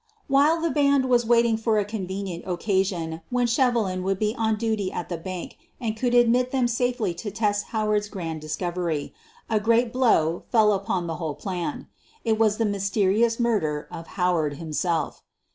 While the band was waiting for a convenient oc casion when Shevelin would be on duty at the bank and could admit them safely to test Howard's grand discovery, a great blow fell upon the whole plan. QUEEN OF THE BURGLARS 153 It was the mysterious murder of Howard himself.